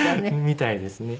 みたいですね。